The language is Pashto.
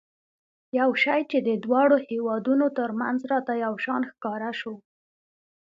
یو شی چې د دواړو هېوادونو ترمنځ راته یو شان ښکاره شو.